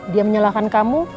dia menyalahkan kamu